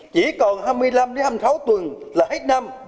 chỉ còn hai mươi năm hai mươi sáu tuần là hết năm